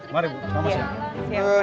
mari bu sama siang